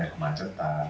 tentang rencana dari